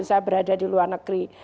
saya berada di luar negeri